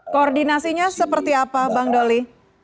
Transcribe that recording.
koordinasinya seperti apa bang doli